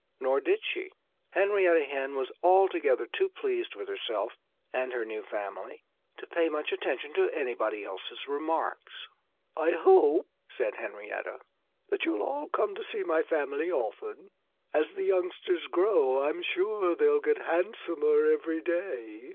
Nor did she. Henrietta Hen was altogether too pleased with herself and her new family to pay much attention to anybody else's remarks. "I hope," said Henrietta, "that you'll all come to see my family often. As the youngsters grow, I'm sure they'll get handsomer every day."